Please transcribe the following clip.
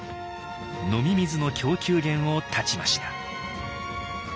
飲み水の供給源を断ちました。